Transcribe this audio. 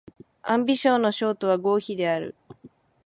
安徽省の省都は合肥である